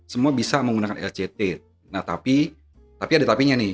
semua bisa menggunakan lctt